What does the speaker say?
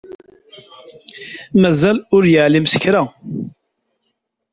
Mazal ur yeεlim s kra.